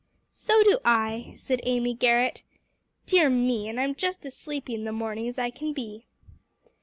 "So do I," said Amy Garrett. "Dear me! and I'm just as sleepy in the morning as I can be."